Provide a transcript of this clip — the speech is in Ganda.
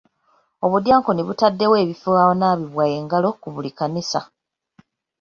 Obudyankoni butaddewo ebifo awanaabibwa engalo ku buli kkanisa.